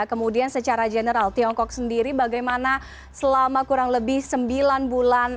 kemudian secara general tiongkok sendiri bagaimana selama kurang lebih sembilan bulan